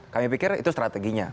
kami pikir itu strateginya